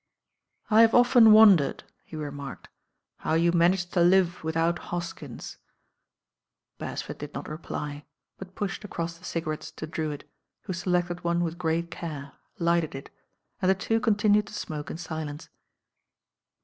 "I have often wondered," he remarked, "how you manage to live without Hoskins." ^ Beresford did not reply; but pushed across the cigarettes to Drewitt, who selected one with g/eat care, lighted it, and the two continued to smoke in silence.